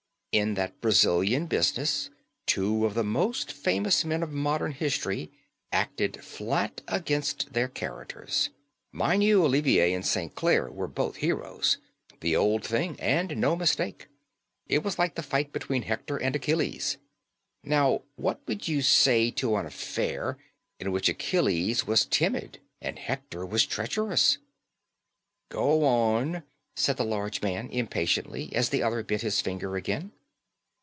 In that Brazilian business two of the most famous men of modern history acted flat against their characters. Mind you, Olivier and St. Clare were both heroes the old thing, and no mistake; it was like the fight between Hector and Achilles. Now, what would you say to an affair in which Achilles was timid and Hector was treacherous?" "Go on," said the large man impatiently as the other bit his finger again.